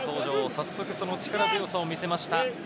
早速、その力強さを見せました